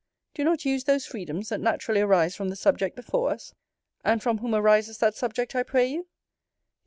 Do not use those freedoms naturally arise from the subject before us? And from whom arises that subject, I pray you?